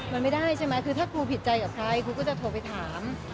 มันไม่ได้ใช่ไหมคือถ้าครูผิดใจกับใครครูก็จะโทรไปถาม